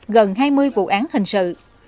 gần hai mươi vụ án hình sự